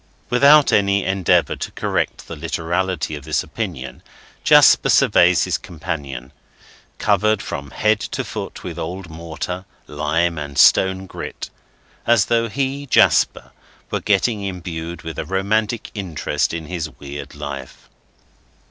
Without any endeavour to correct the literality of this opinion, Jasper surveys his companion—covered from head to foot with old mortar, lime, and stone grit—as though he, Jasper, were getting imbued with a romantic interest in his weird life.